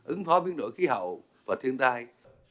ứng phó biến đổi khí hậu và thiên tai